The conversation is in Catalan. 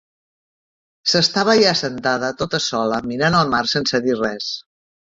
S'estava allà sentada tota sola, mirant al mar sense dir res.